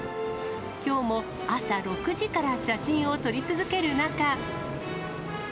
きょうも朝６時から写真を撮り続ける中。